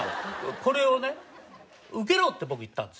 これをね受けろって僕言ったんですよ。